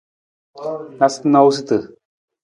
Noosunoosutu.